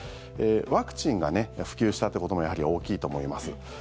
ワクチンが普及したということもやはり大きいと思います。